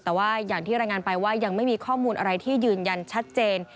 แต่ว่าอย่างที่รายงานไปว่ายังไม่มีข้อมูลอะไรที่ยืนยันชัดเจน